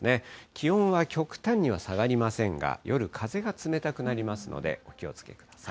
気温は極端には下がりませんが、夜、風が冷たくなりますので、気をつけてください。